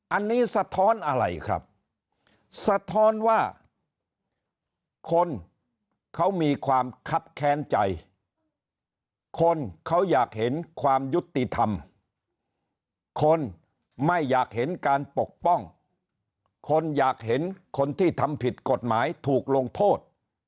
อันนี้สะท้อนอะไรครับสะท้อนว่าคนเขามีความคับแค้นใจคนเขาอยากเห็นความยุติธรรมคนไม่อยากเห็นการปกป้องคนอยากเห็นคนที่ทำผิดกฎหมายถูกลงโทษ